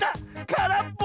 からっぽ！